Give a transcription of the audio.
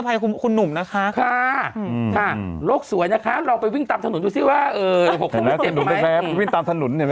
แล้วมันก็วิ่งตามสนุนเห็นไหมครับ